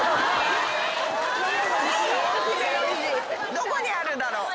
どこにあるんだろう？